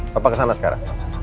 papa kesana sekarang